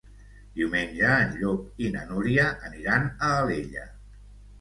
Diumenge en Llop i na Núria aniran a Alella.